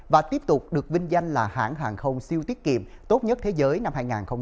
và tiếp tục được vinh danh là hãng hàng không siêu tiết kiệm tốt nhất thế giới năm hai nghìn hai mươi